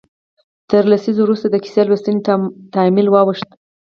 تر لسیزو وروسته د کیسه لوستنې تمایل واوښت.